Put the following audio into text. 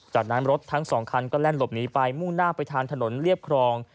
จากนั้นรถทั้งสองคันก็แล่นหลบหนีไปมุ่งหน้าไปทางถนนเรียบครอง